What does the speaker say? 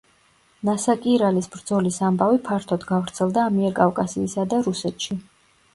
ნასაკირალის ბრძოლის ამბავი ფართოდ გავრცელდა ამიერკავკასიისა და რუსეთში.